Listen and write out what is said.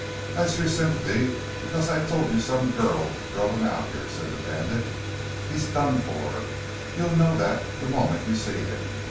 "That's your sympathy, because I told you some girl drove him out here," said the bandit. "He's done for. You'll know that the moment you see him.